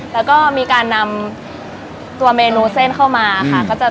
แล้วก็มีการนำตัวเมนูเส้นเข้ามาค่ะ